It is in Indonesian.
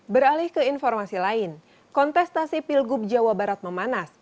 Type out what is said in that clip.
beralih ke informasi lain kontestasi pilgub jawa barat memanas